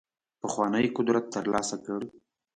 پخوانی قدرت ترلاسه کړ.